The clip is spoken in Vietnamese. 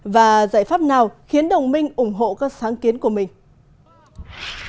và giải pháp nào khiến đồng minh ủng hộ các sáng kiến của mình